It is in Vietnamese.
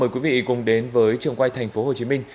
mời quý vị cùng đến với trường quay thành phố hồ chí minh